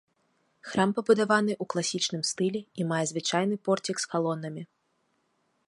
Храм пабудаваны ў класічным стылі і мае звычайны порцік з калонамі.